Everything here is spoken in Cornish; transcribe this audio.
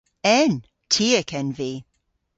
En! Tiek en vy.